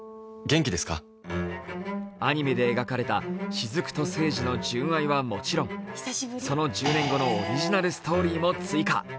アニメで描かれた雫と聖司の純愛はもちろんその１０年後のストーリーも追加。